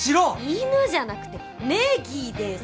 犬じゃなくてネギです！